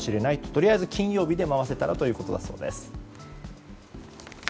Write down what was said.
とりあえず金曜日で回せたらということだそうです。